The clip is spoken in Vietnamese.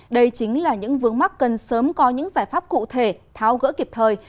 đây chính là những vướng mắt cần sớm có những giải pháp cụ thể tháo gỡ kịp thời